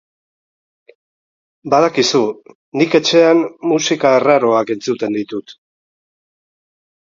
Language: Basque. Badakizu, nik etxean musika arraroak entzuten ditut.